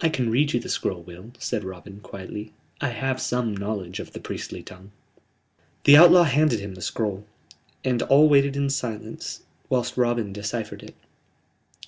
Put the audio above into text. "I can read you the scroll, Will," said Robin, quietly. "I have some knowledge of the priestly tongue." The outlaw handed him the scroll, and all waited in silence whilst Robin deciphered it.